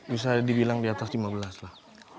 bisa dibilang di atas lima belas lah